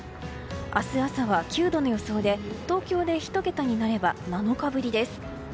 明日朝は９度の予想で東京で１桁になれば７日ぶりです。